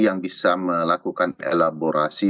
yang bisa melakukan elaborasi